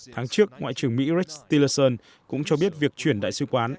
tháng trước ngoại trưởng mỹ rex tillerson cũng cho biết việc chuyển đại sứ quán